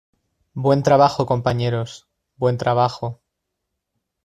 Buen trabajo, compañeros. Buen trabajo .